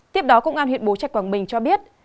tiếp đó công an huyện bố trạch quảng bình cho biết